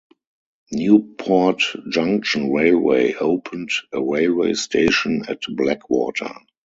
Newport Junction Railway opened a railway station at Blackwater.